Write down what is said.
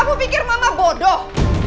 kamu pikir mama bodoh